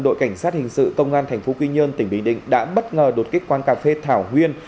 đội cảnh sát hình sự công an tp quy nhơn tỉnh bình định đã bất ngờ đột kích quán cà phê thảo huyên